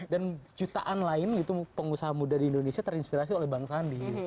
dan jutaan lain gitu pengusaha muda di indonesia terinspirasi oleh bang sandi